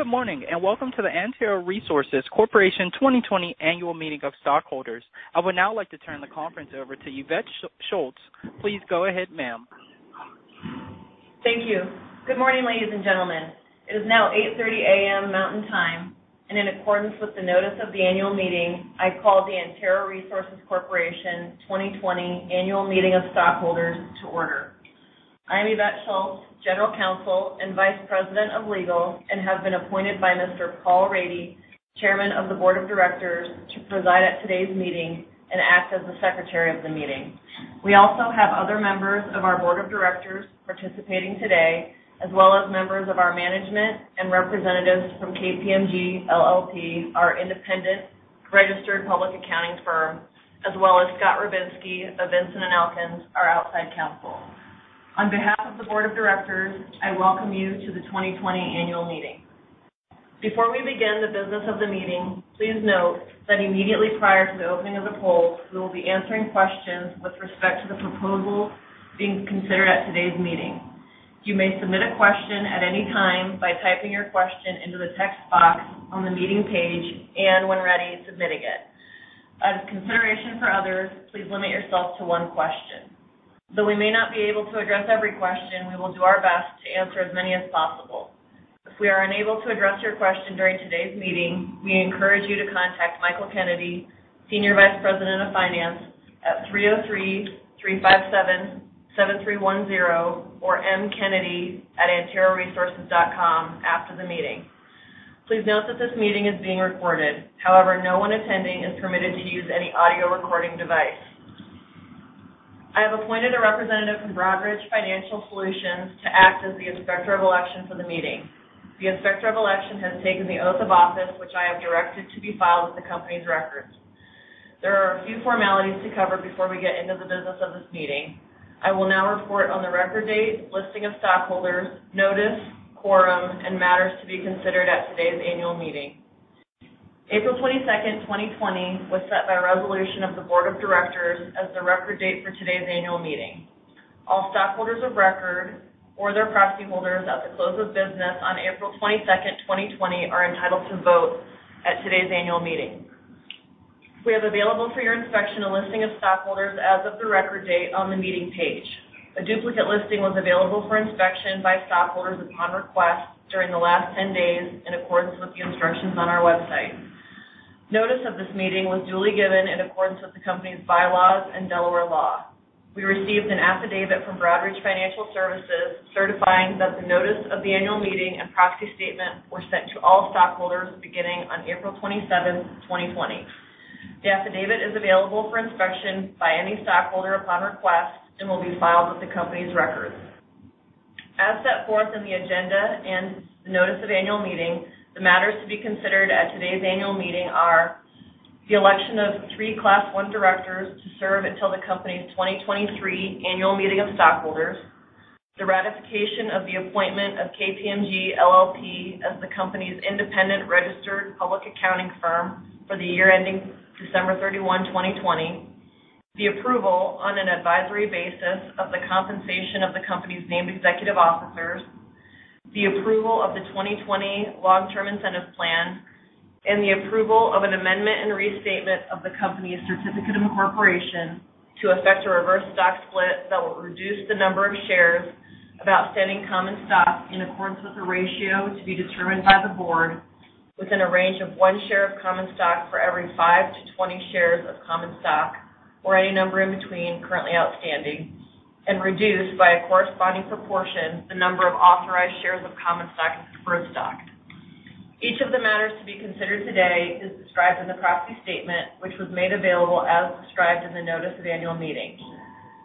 Good morning, and welcome to the Antero Resources Corporation 2020 Annual Meeting of Stockholders. I would now like to turn the conference over to Yvette Schultz. Please go ahead, ma'am. Thank you. Good morning, ladies and gentlemen. It is now 8:30 A.M. Mountain Time. In accordance with the notice of the annual meeting, I call the Antero Resources Corporation 2020 Annual Meeting of Stockholders to order. I am Yvette Schultz, General Counsel and Vice President of Legal, and have been appointed by Mr. Paul Rady, Chairman of the Board of Directors, to preside at today's meeting and act as the secretary of the meeting. We also have other members of our board of directors participating today, as well as members of our management and representatives from KPMG LLP, our independent registered public accounting firm, as well as Scott Rubinsky of Vinson & Elkins, our outside counsel. On behalf of the board of directors, I welcome you to the 2020 annual meeting. Before we begin the business of the meeting, please note that immediately prior to the opening of the polls, we will be answering questions with respect to the proposals being considered at today's meeting. You may submit a question at any time by typing your question into the text box on the meeting page and, when ready, submitting it. Out of consideration for others, please limit yourself to one question. Though we may not be able to address every question, we will do our best to answer as many as possible. If we are unable to address your question during today's meeting, we encourage you to contact Michael Kennedy, Senior Vice President of Finance, at 303-357-7310 or mkennedy@anteroresources.com after the meeting. Please note that this meeting is being recorded. However, no one attending is permitted to use any audio recording device. I have appointed a representative from Broadridge Financial Solutions to act as the Inspector of Election for the meeting. The Inspector of Election has taken the oath of office, which I have directed to be filed with the company's records. There are a few formalities to cover before we get into the business of this meeting. I will now report on the record date, listing of stockholders, notice, quorum, and matters to be considered at today's annual meeting. April 22nd, 2020, was set by resolution of the board of directors as the record date for today's annual meeting. All stockholders of record or their proxy holders at the close of business on April 22nd, 2020, are entitled to vote at today's annual meeting. We have available for your inspection a listing of stockholders as of the record date on the meeting page. A duplicate listing was available for inspection by stockholders upon request during the last 10 days in accordance with the instructions on our website. Notice of this meeting was duly given in accordance with the company's bylaws and Delaware law. We received an affidavit from Broadridge Financial Solutions certifying that the notice of the annual meeting and proxy statement were sent to all stockholders beginning on April 27th, 2020. The affidavit is available for inspection by any stockholder upon request and will be filed with the company's records. As set forth in the agenda and the notice of annual meeting, the matters to be considered at today's annual meeting are the election of three Class 1 directors to serve until the company's 2023 annual meeting of stockholders. The ratification of the appointment of KPMG LLP as the company's independent registered public accounting firm for the year ending December 31, 2020, the approval on an advisory basis of the compensation of the company's named executive officers, the approval of the 2020 Long-Term Incentive Plan, and the approval of an amendment and restatement of the company's certificate of incorporation to effect a reverse stock split that will reduce the number of shares of outstanding common stock in accordance with the ratio to be determined by the board within a range of one share of common stock for every five to 20 shares of common stock or any number in between currently outstanding and reduce by a corresponding proportion the number of authorized shares of common stock and preferred stock. Each of the matters to be considered today is described in the proxy statement, which was made available as described in the notice of annual meeting.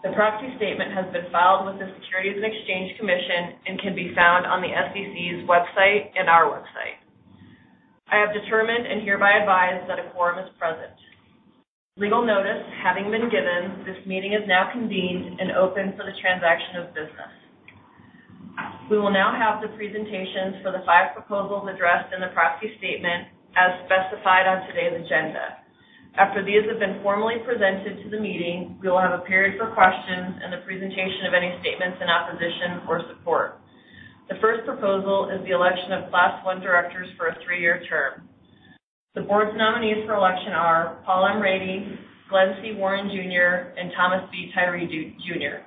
The proxy statement has been filed with the Securities and Exchange Commission and can be found on the SEC's website and our website. I have determined and hereby advise that a quorum is present. Legal notice having been given, this meeting is now convened and open for the transaction of business. We will now have the presentations for the five proposals addressed in the proxy statement as specified on today's agenda. After these have been formally presented to the meeting, we will have a period for questions and the presentation of any statements in opposition or support The first proposal is the election of Class One directors for a three-year term. The board's nominees for election are Paul M. Rady, Glen C. Warren Jr., and Thomas B. Tyree Jr.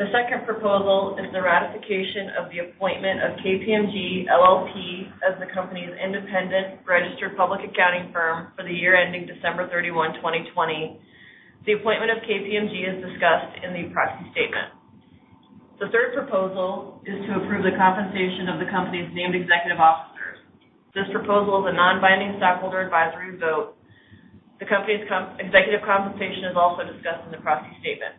The second proposal is the ratification of the appointment of KPMG LLP as the company's independent registered public accounting firm for the year ending December 31, 2020. The appointment of KPMG is discussed in the proxy statement. The third proposal is to approve the compensation of the company's named executive officers. This proposal is a non-binding stockholder advisory vote. The company's executive compensation is also discussed in the proxy statement.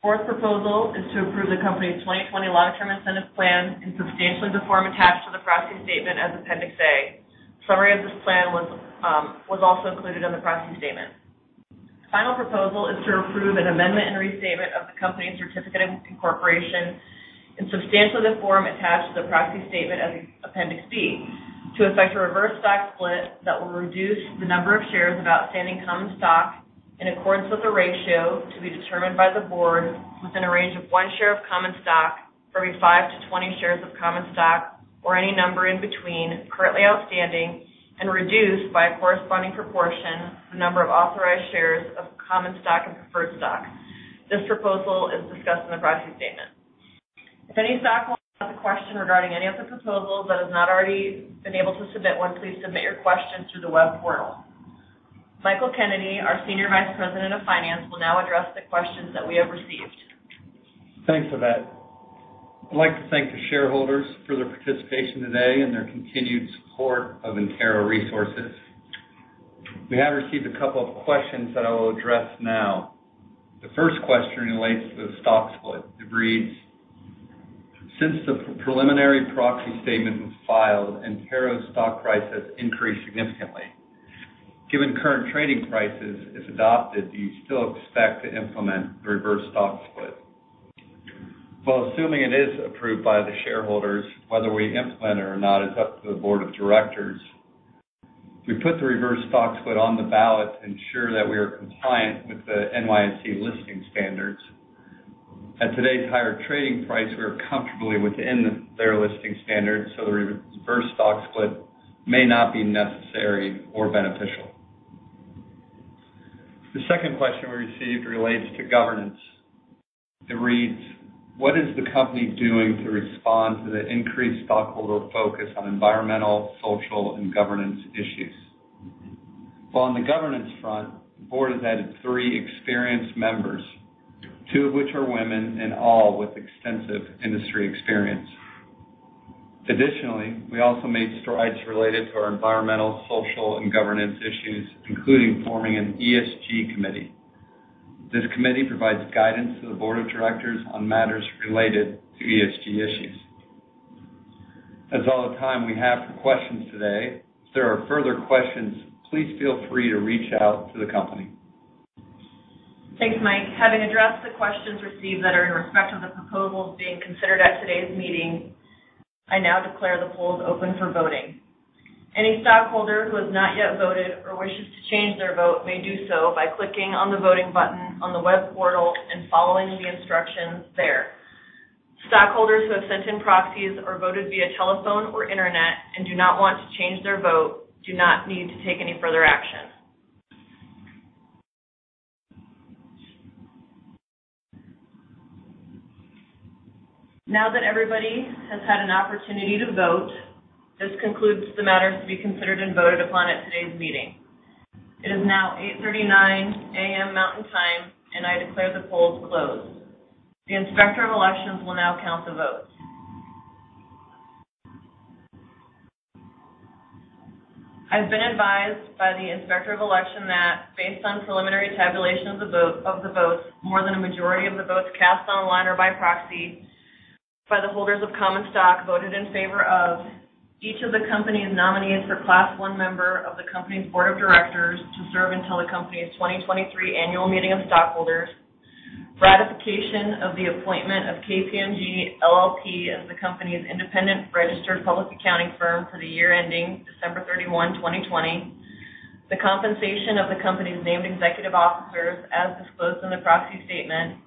The fourth proposal is to approve the company's 2020 Long-Term Incentive Plan in substantially the form attached to the proxy statement as Appendix A. Summary of this plan was also included in the proxy statement. The final proposal is to approve an amendment and restatement of the company's certificate of incorporation in substantially the form attached to the proxy statement as Appendix B to effect a reverse stock split that will reduce the number of shares of outstanding common stock. In accordance with the ratio to be determined by the board within a range of one share of common stock for every 5-20 shares of common stock, or any number in between currently outstanding, and reduced by a corresponding proportion, the number of authorized shares of common stock and preferred stock. This proposal is discussed in the proxy statement. If any stockholder has a question regarding any of the proposals but has not already been able to submit one, please submit your questions through the web portal. Michael Kennedy, our Senior Vice President of Finance, will now address the questions that we have received. Thanks, Yvette. I'd like to thank the shareholders for their participation today and their continued support of Antero Resources. We have received a couple of questions that I will address now. The first question relates to the stock split. It reads, "Since the preliminary proxy statement was filed, Antero's stock price has increased significantly. Given current trading prices, if adopted, do you still expect to implement the reverse stock split?" Well, assuming it is approved by the shareholders, whether we implement it or not is up to the board of directors. We put the reverse stock split on the ballot to ensure that we are compliant with the NYSE listing standards. At today's higher trading price, we are comfortably within their listing standards, so the reverse stock split may not be necessary or beneficial. The second question we received relates to governance. It reads, "What is the company doing to respond to the increased stockholder focus on environmental, social, and governance issues?" Well, on the governance front, the board has added three experienced members, two of which are women, and all with extensive industry experience. Additionally, we also made strides related to our environmental, social, and governance issues, including forming an ESG committee. This committee provides guidance to the board of directors on matters related to ESG issues. That's all the time we have for questions today. If there are further questions, please feel free to reach out to the company. Thanks, Michael. Having addressed the questions received that are in respect of the proposals being considered at today's meeting, I now declare the polls open for voting. Any stockholder who has not yet voted or wishes to change their vote may do so by clicking on the voting button on the web portal and following the instructions there. Stockholders who have sent in proxies or voted via telephone or internet and do not want to change their vote do not need to take any further action. Now that everybody has had an opportunity to vote, this concludes the matters to be considered and voted upon at today's meeting. It is now 8:39 A.M. Mountain Time, and I declare the polls closed. The Inspector of Elections will now count the votes. I've been advised by the Inspector of Election that based on preliminary tabulation of the votes, more than a majority of the votes cast online or by proxy, by the holders of common stock voted in favor of each of the company's nominees for Class I member of the company's board of directors to serve until the company's 2023 annual meeting of stockholders, ratification of the appointment of KPMG LLP as the company's independent registered public accounting firm for the year ending December 31, 2020, the compensation of the company's named executive officers as disclosed in the proxy statement,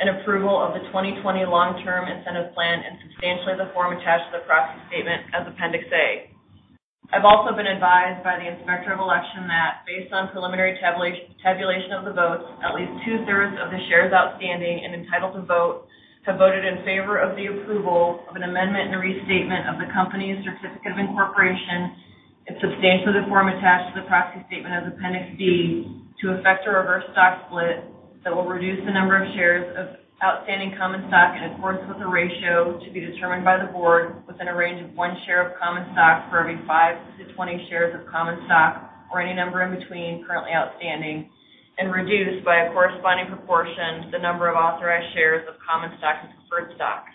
and approval of the 2020 long-term incentive plan in substantially the form attached to the proxy statement as Appendix A. I've also been advised by the Inspector of Election that based on preliminary tabulation of the votes, at least two-thirds of the shares outstanding and entitled to vote have voted in favor of the approval of an amendment and a restatement of the company's certificate of incorporation in substantially the form attached to the proxy statement as Appendix B to effect a reverse stock split that will reduce the number of shares of outstanding common stock in accordance with the ratio to be determined by the board within a range of one share of common stock for every 5-20 shares of common stock, or any number in between currently outstanding, and reduced by a corresponding proportion the number of authorized shares of common stock and preferred stock.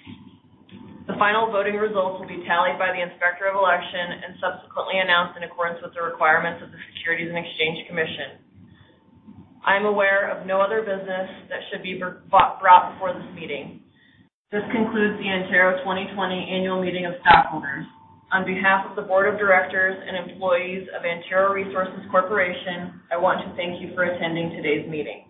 The final voting results will be tallied by the Inspector of Election and subsequently announced in accordance with the requirements of the Securities and Exchange Commission. I'm aware of no other business that should be brought before this meeting. This concludes the Antero 2020 Annual Meeting of Stockholders. On behalf of the board of directors and employees of Antero Resources Corporation, I want to thank you for attending today's meeting.